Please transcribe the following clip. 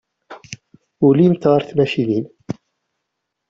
Ulint ɣer tmacint.